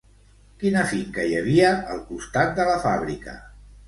Quina finca hi havia al costat de la fàbrica?